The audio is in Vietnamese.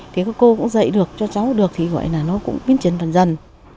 thì các cô cũng dạy được cho cháu được thì gọi là nó cũng biến trần dần dần